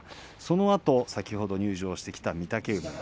そのあと先ほど入場してきた御嶽海。